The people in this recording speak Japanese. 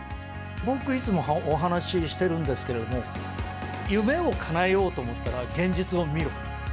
僕、いつもお話してるんですけれども、夢をかなえようと思ったら現実を見ろ。